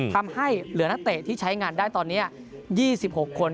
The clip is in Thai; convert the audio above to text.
ทำให้เหลือนักเตะที่ใช้งานได้ตอนนี้๒๖คน